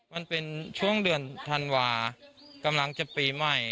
มันเป็นช่วงเดือนธันวากำลังจะปีใหม่